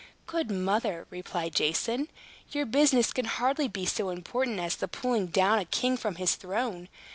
"Good mother," replied Jason, "your business can hardly be so important as the pulling down a king from his throne.